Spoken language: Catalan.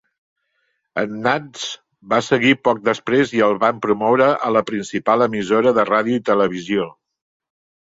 En Nantz va seguir poc després i el van promoure a la principal emissora de ràdio i televisió.